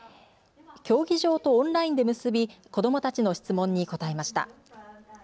競技場とオンラインで結び、子どもたちの質問に答えました。